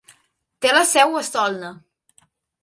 Té la seu a Solna.